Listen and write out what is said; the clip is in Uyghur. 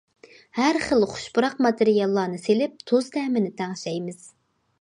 ھەر خىل خۇش پۇراق ماتېرىياللارنى سېلىپ تۇز تەمىنى تەڭشەيمىز.